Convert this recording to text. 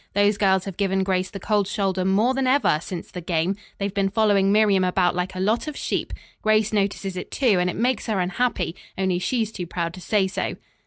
Those girls have given Grace the cold shoulder more than ever, since the game. They have been following Miriam about like a lot of sheep. Grace notices it, too, and it makes her unhappy, only she's too proud to say so."